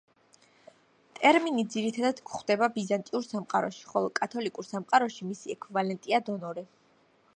ტერმინი ძირითადად გვხვდება „ბიზანტიურ სამყაროში“, ხოლო კათოლიკურ სამყაროში მისი ექვივალენტია დონორი.